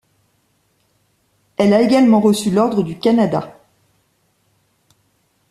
Elle a également reçu l'Ordre du Canada.